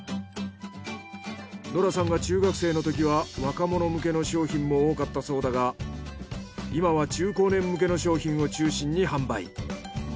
ノラさんが中学生のときは若者向けの商品も多かったそうだが今は中高年向けの商品を中心に販売。